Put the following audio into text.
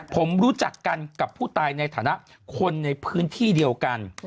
ผมรู้จักกันกับผู้ตายในฐานะคนในพื้นที่เดียวกัน